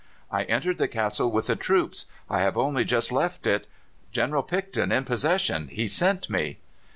"'I entered the castle with the troops. I have only just left it. General Picton in possession. He sent me.